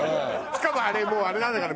しかももうあれなんだから。